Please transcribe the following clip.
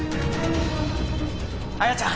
亜矢ちゃん